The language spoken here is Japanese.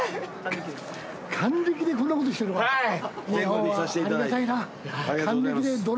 はい。